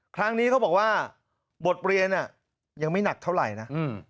ครั้งนี้เขาบอกว่าบทเรียนยังไม่หนักเท่าไหร่นะ